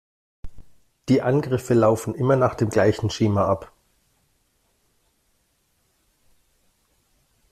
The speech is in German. Die Angriffe laufen immer nach dem gleichen Schema ab.